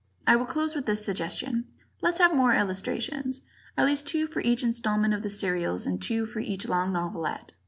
I will close with this suggestion. Let's have more illustrations. At least two for each installment of the serials and two for each long novelette.